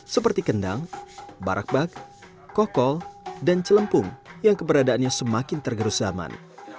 seperti kendang barak bak kokol dan celempung yang keberadaannya semakin tergerus zaman